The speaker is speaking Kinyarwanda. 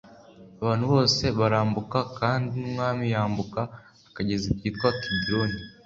Abantu bose barambuka, kandi n’umwami yambuka akagezi kitwa Kidironi.